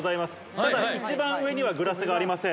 ただ、一番上にはグラスがありません。